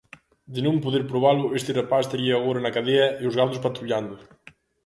De non poder probalo este rapaz estaría agora na cadea e os gardas patrullando.